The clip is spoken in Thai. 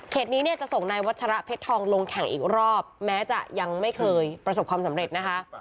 นี้เนี่ยจะส่งนายวัชระเพชรทองลงแข่งอีกรอบแม้จะยังไม่เคยประสบความสำเร็จนะคะ